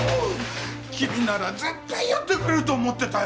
君なら絶対やってくれると思ってたよ。